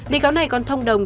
bị cáo này còn thông đồng